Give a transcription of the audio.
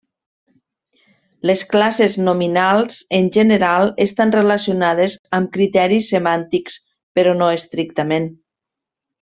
Les classes nominals en general estan relacionades amb criteris semàntics, però no estrictament.